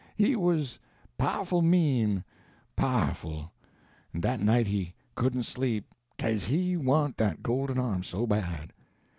He wuz pow'ful mean pow'ful; en dat night he couldn't sleep, caze he want dat golden arm so bad.